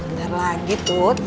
ntar lagi tut